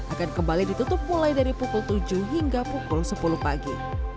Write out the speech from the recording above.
akan kembali ditutup mulai dari pukul tujuh hingga pukul sepuluh pagi